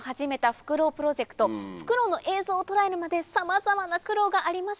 フクロウの映像を捉えるまでさまざまな苦労がありました。